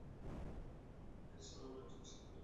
এর চূড়ায় ওঠার জন্য সিঁড়ির পাশাপাশি রয়েছে ক্যাপসুল লিফট।